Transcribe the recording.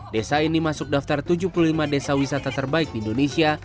desa ini masuk daftar tujuh puluh lima desa wisata terbaik di indonesia